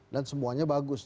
dan semuanya bagus